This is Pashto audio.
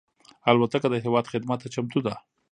الوتکه د هېواد خدمت ته چمتو ده.